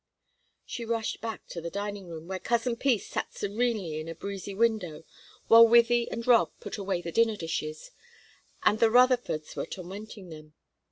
She rushed back to the dining room, where Cousin Peace sat serenely in the breezy window, while Wythie and Rob put away the dinner dishes, and the Rutherfords were tormenting them.